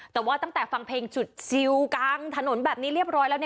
แต่ว่าตั้งแต่ฟังเพลงจุดซิลกลางถนนแบบนี้เรียบร้อยแล้ว